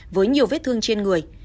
với nhiều vết thương trên người